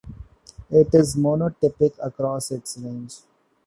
It is monotypic across its range.